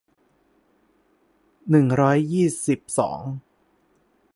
หนึ่งร้อยยี่สิบสอง